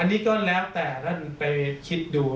อันนี้ก็แล้วแต่ท่านไปคิดดู